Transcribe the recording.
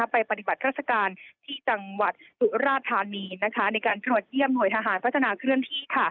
ปฏิบัติราชการที่จังหวัดสุราธานีในการตรวจเยี่ยมหน่วยทหารพัฒนาเคลื่อนที่